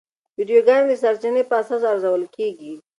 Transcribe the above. ویډیوګانې د سرچینې په اساس ارزول کېږي.